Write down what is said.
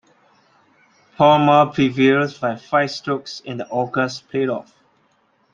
Palmer prevailed by five strokes in the August playoff.